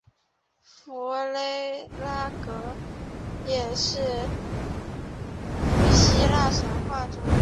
佛勒格拉也是希腊神话中。